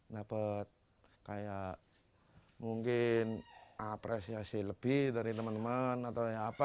dapat kayak mungkin apresiasi lebih dari teman teman atau apa